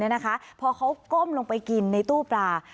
พอเขาก้มลงไปกินในตู้ปลา